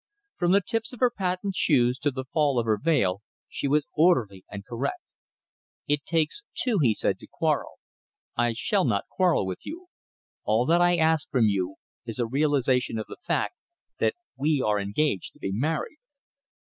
From the tips of her patent shoes to the fall of her veil, she was orderly and correct. "It takes two," he said, "to quarrel. I shall not quarrel with you. All that I ask from you is a realization of the fact that we are engaged to be married."